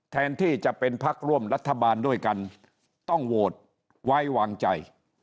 แทนที่จะเป็นพักร่วมรัฐบาลด้วยกันต้องโหวตไว้วางใจ